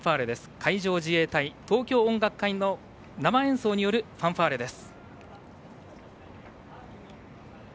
海上自衛隊東京音楽隊の生演奏によるファンファーレです。